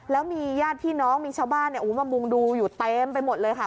แล้วมีญาติพี่น้องมีชาวบ้านมามุงดูอยู่เต็มไปหมดเลยค่ะ